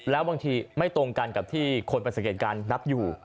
แล้วบางทีไม่ตรงกันกับที่คนไปสังเกตการณ์นับอยู่